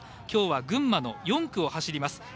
きょうは群馬の４区を走ります。